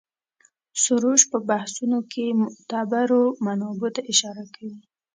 سروش په بحثونو کې معتبرو منابعو ته اشاره کوي.